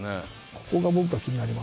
ここが僕は気になりますね